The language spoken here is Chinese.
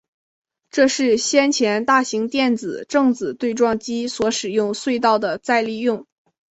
这是先前大型电子正子对撞机所使用隧道的再利用。